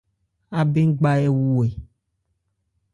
Abɛn gba ɛ wu ɛ ?